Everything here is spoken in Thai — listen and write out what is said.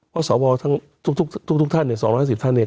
ว่าสวทุกท่านเนี่ย๒๕๐ท่านเนี่ย